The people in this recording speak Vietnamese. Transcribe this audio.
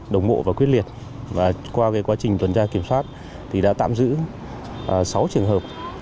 đồng bộ và quyết liệt qua quá trình tuần tra kiểm soát đã tạm giữ sáu trường hợp